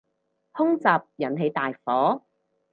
空襲引起大火